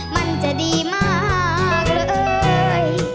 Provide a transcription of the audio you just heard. มันจะดีมากเลย